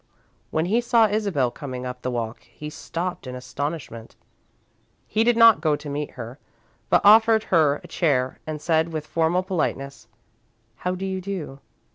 When he saw Isabel coming up the walk, he stopped in astonishment. He did not go to meet her, but offered her a chair and said, with formal politeness: "How do you do?